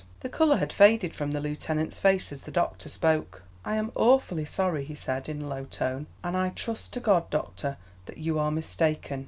The colour had faded from the lieutenant's face as the doctor spoke. "I am awfully sorry," he said, in a low tone, "and I trust to God, doctor, that you are mistaken.